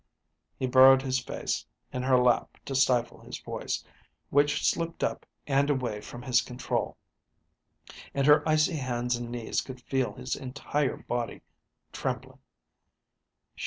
He burrowed his head in her lap to stifle his voice, which slipped up and away from his control; and her icy hands and knees could feel his entire body trembling.